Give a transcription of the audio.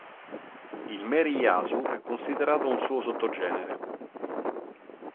Il Meriyasu è considerato un suo sottogenere.